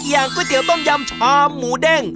ก๋วยเตี๋ยต้มยำชามหมูเด้ง